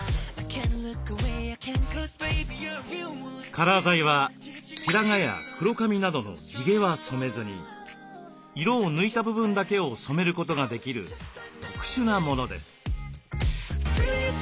カラー剤は白髪や黒髪などの地毛は染めずに色を抜いた部分だけを染めることができる特殊なものです。